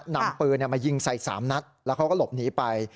นำปืนมายิงใส่๓นัดแล้วเขาก็หลบหนีไป